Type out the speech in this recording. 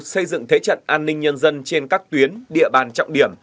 xây dựng thế trận an ninh nhân dân trên các tuyến địa bàn trọng điểm